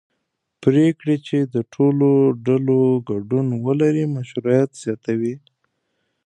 پرېکړې چې د ټولو ډلو ګډون ولري مشروعیت زیاتوي